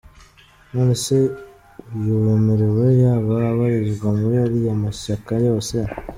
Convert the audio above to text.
None se uyu wemerewe yaba abarizwa muri ariya mashyaka yose?